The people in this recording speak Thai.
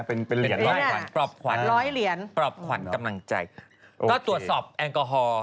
ปรอบขวัญกำลังใจปรอบขวัญกำลังใจตรวจสอบแอลกอฮอล์